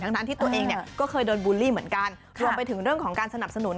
ทั้งที่ตัวเองเนี่ยก็เคยโดนบูลลี่เหมือนกันรวมไปถึงเรื่องของการสนับสนุน